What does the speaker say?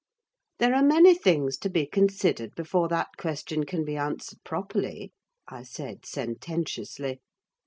"There are many things to be considered before that question can be answered properly," I said, sententiously.